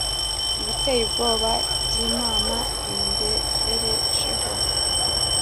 ibiteye ubwoba by’imana bingererejeho